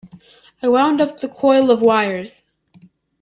I wound up the coil of wires.